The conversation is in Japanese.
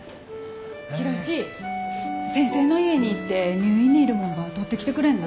浩志先生の家に行って入院にいるもんば取ってきてくれんな？